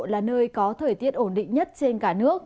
là nơi có thời tiết ổn định nhất trên cả nước